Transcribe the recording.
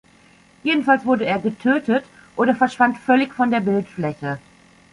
Jedenfalls wurde er getötet oder verschwand völlig von der Bildfläche.